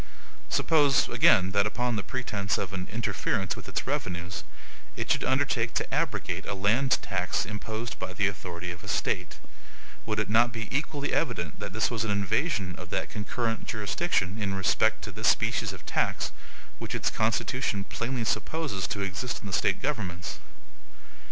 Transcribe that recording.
Suppose, again, that upon the pretense of an interference with its revenues, it should undertake to abrogate a landtax imposed by the authority of a State; would it not be equally evident that this was an invasion of that concurrent jurisdiction in respect to this species of tax, which its Constitution plainly supposes to exist in the State governments?